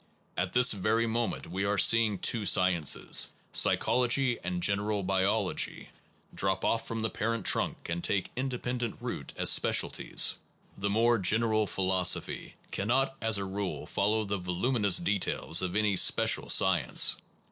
At this very moment we are see ing two sciences, psychology and general biol ogy, drop off from the parent trunk and take independent root as specialties. The more general philosophy cannot as a rule follow the voluminous details of any special science.